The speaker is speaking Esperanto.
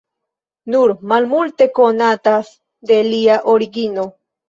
Nur malmulte konatas de lia origino.